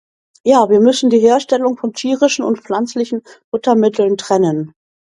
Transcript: Ja, wir müssen die Herstellung von tierischen und pflanzlichen Futtermitteln trennen.